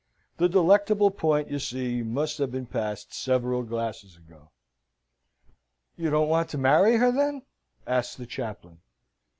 The delectable point, you see, must have been passed several glasses ago. "You don't want to marry her, then?" asks the chaplain.